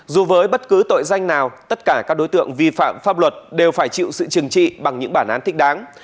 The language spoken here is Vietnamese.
dù với bất cứ tội danh nào tất cả các đối tượng vi phạm pháp luật đều phải chịu sự trừng trị bằng những bản án thích đáng